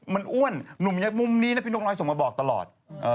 มันอ้วนหนุ่มมุมนี้นะพี่นกน้อยส่งมาบอกตลอด